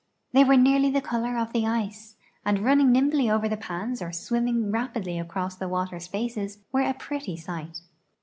They were nearly the color of the ice and, run ning nimbly over the pans or swimming rapidly across the water spaces, were a prett}^ sight.